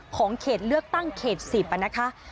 เขตเลือกตั้งเขต๑๐นะคะ